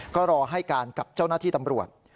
ก็รอให้การกับเจ้าหน้าที่ตำรวจ